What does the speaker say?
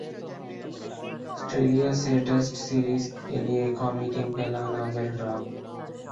سٹریلیا سے test series کیلئے قومی ٹیم کا اعلان عامر ڈراپ